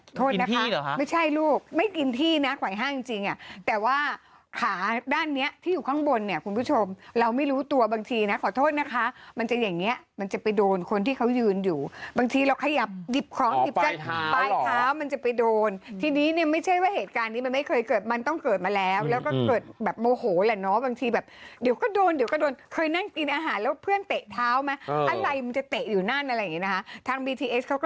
กินที่เหรอคะไม่ใช่ลูกไม่กินที่นะขวายห้างจริงแต่ว่าขาด้านเนี้ยที่อยู่ข้างบนเนี้ยคุณผู้ชมเราไม่รู้ตัวบางทีนะขอโทษนะคะมันจะอย่างเงี้ยมันจะไปโดนคนที่เขายืนอยู่บางทีเราขยับหยิบของอ๋อปลายเท้าหรอปลายเท้ามันจะไปโดนทีนี้เนี้ยไม่ใช่ว่าเหตุการณ์นี้มันไม่เคยเกิดมันต้องเกิดมาแล้วแล้วก็เกิดแบบโม